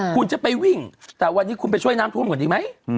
คุณจะไปวิ่งแต่วันนี้คุณไปช่วยน้ำท่วมก่อนดีไหม